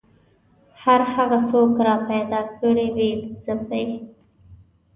هر هغه څوک راپیدا کړي ویې ځپي